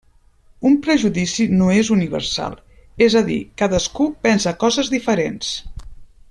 Un prejudici no és universal, és a dir, cadascú pensa coses diferents.